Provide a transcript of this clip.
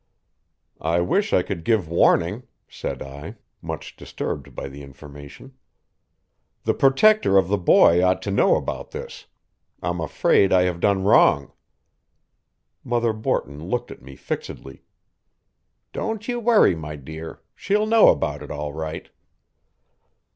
"I wish I could give warning," said I, much disturbed by the information. "The protector of the boy ought to know about this. I'm afraid I have done wrong." Mother Borton looked at me fixedly. "Don't you worry, my dear. She'll know about it all right."